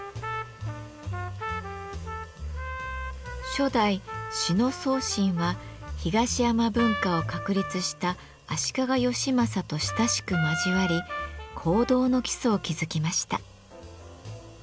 初代志野宗信は東山文化を確立した足利義政と親しく交わり香道の基礎を築きました。